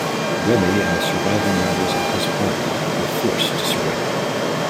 Remey and the surviving members of his party were forced to surrender.